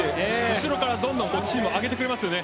後ろから、どんどんチームを上げてくれますね。